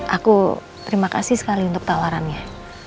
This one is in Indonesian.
aku terima kasih sekali untuk tawarannya